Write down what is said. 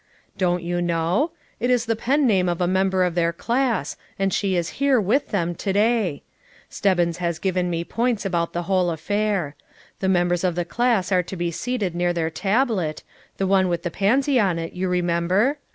"Don't you know? It is the pen name of a member of their class, and she is here with them to day. Stebbins has given me points about the whole affair. The members of the class are to be seated near their tablet, the POUR MOTHERS AT CHAUTAUQUA 399 one with the pansy on it, you remember?